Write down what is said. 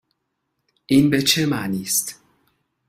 این به چه معنی است؟